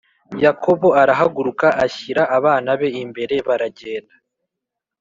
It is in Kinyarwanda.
Yakobo arahaguruka ashyira abana be imbere baragenda